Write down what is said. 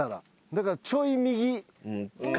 だからちょい右。